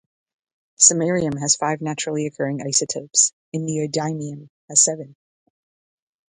Samarium has five naturally occurring isotopes and neodymium has seven.